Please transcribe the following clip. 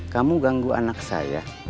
kamu ganggu anak saya